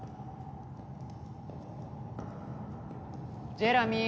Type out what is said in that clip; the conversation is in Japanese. ジェラミー！